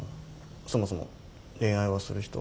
そもそも恋愛はする人？しない人？